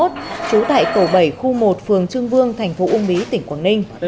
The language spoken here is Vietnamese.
trú tại tổ bảy khu một phường trương vương thành phố uông bí tỉnh quảng ninh